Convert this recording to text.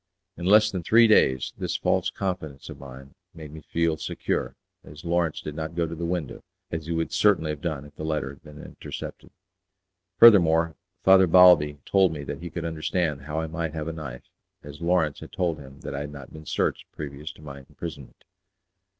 In less than three days this false confidence of mine made me feel secure, as Lawrence did not go to the window, as he would certainly have done if the letter had been intercepted. Furthermore, Father Balbi told me that he could understand how I might have a knife, as Lawrence had told him that I had not been searched previous to my imprisonment.